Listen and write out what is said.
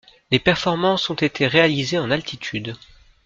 Les performances ont été réalisées en altitude.